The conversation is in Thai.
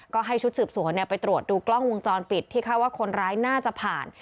ก็ให้ชุดสืบสวนไปตรวจดูกล้องวงจรปิดที่คาดว่าคนร้ายน่าจะผ่าน